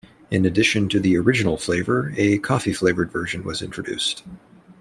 In addition to the original flavor, a coffee-flavored version was introduced.